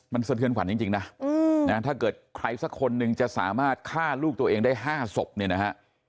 มันสะเทือนขวัญจริงนะถ้าเกิดใครสักคนหนึ่งจะสามารถฆ่าลูกตัวเองได้๕ศพเนี่ยนะฮะ